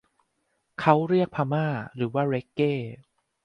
เค้าเรียกพม่าหรือว่าเร็กเก้ !